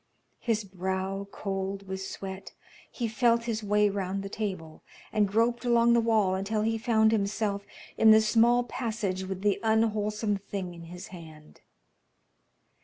His brow cold with sweat, he felt his way round the table, and groped along the wall until he found himself in the small passage with the unwholesome thing in his hand.